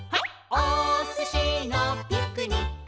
おすしのピクニック」